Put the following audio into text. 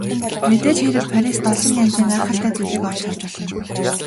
Мэдээж хэрэг Парист олон янзын гайхалтай зүйлийг олж харж болно.